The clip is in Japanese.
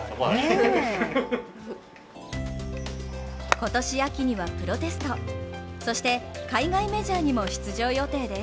今年秋にはプロテスト、そして海外メジャーにも出場予定です。